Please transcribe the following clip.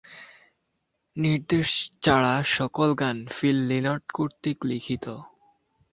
নির্দেশ ছাড়া সকল গান ফিল লিনট কর্তৃক লিখিত।